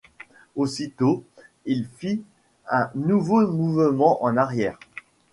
Aussitôt il fit un nouveau mouvement en arrière.